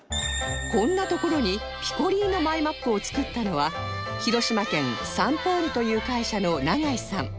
こんなところにピコリーノマイマップを作ったのは広島県サンポールという会社の永井さん